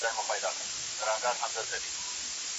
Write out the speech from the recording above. هغه ځان نېکمرغه ګڼي.